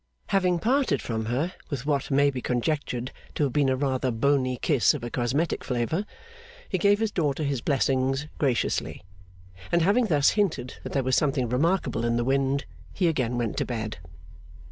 Having parted from her with what may be conjectured to have been a rather bony kiss of a cosmetic flavour, he gave his daughter his blessing, graciously. And having thus hinted that there was something remarkable in the wind, he again went to bed.